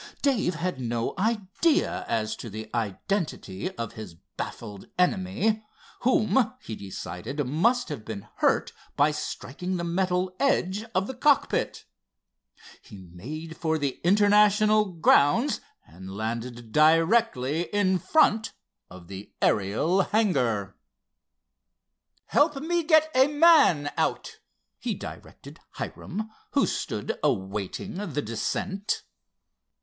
Dave had no idea as to the identity of his baffled enemy, whom he decided must have been hurt by striking the metal edge of the cockpit. He made for the International grounds and landed directly in font of the Ariel hangar. "Help me get a man out," he directed Hiram, who stood awaiting the descent.